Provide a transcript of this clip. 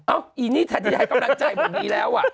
อ้าวอีนี่ถัดยายกำลังใจ